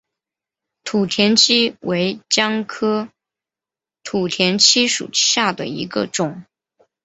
土田七为姜科土田七属下的一个种。